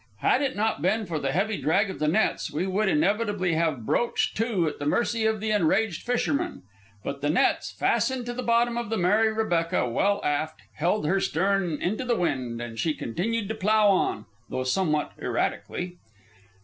Had it not been for the heavy drag of the nets, we would inevitably have broached to at the mercy of the enraged fishermen. But the nets, fastened to the bottom of the Mary Rebecca well aft, held her stern into the wind, and she continued to plough on, though somewhat erratically.